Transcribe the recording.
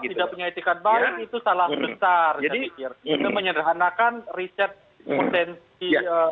itu menyelekanakan riset potensi